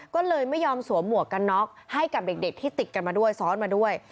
ก็เลยไม่ยอมสวมหมวกกันน็อกให้กับเด็กที่ติดกันมาด้วยซ้อนมาด้วย